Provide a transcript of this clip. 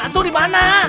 atu di mana